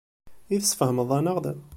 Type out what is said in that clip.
I tesfehmeḍ-aneɣ-d?